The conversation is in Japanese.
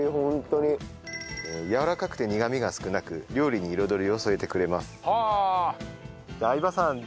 やわらかくて苦みが少なく料理に彩りを添えてくれます。